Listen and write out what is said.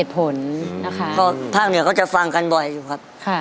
เพราะภาคเหนือจะฟังกันบ่อยครับ